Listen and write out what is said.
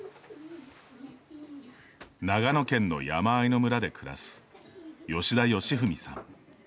長野県の山あいの村で暮らす吉田理史さん。